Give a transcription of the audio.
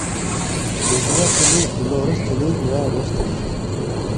ھۆكۈمەت تىلى بېلورۇس تىلى ۋە رۇس تىلى.